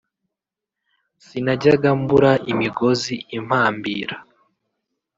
sinajyaga mbura imigozi impambira